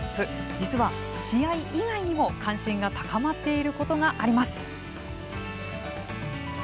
実は、試合以外にも関心が高まっていることがあります。